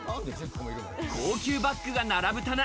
高級バックが並ぶ棚。